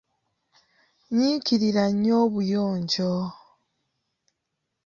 Nyiikirira nnyo obuyonjo.